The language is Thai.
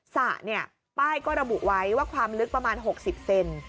สระเนี่ยป้ายก็ระบุไว้ว่าความลึกประมาณ๖๐เซน